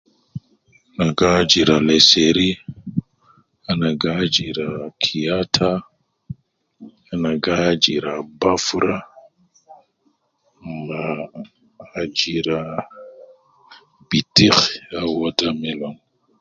Ana gi ajira lesheri, ana gi ajira kiyata, ana gi ajira bafra ma ajira pitikh au water melon